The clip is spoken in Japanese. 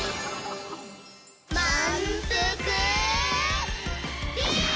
まんぷくビーム！